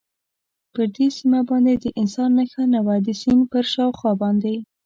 پر دې سیمه باندې د انسان نښه نه وه، د سیند پر شاوخوا باندې.